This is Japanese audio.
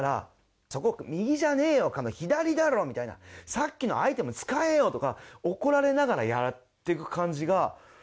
「さっきのアイテム使えよ」とか怒られながらやっていく感じがなんかね